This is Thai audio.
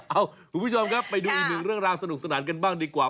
คุณผู้ชมครับไปดูอีกหนึ่งเรื่องราวสนุกสนานกันบ้างดีกว่า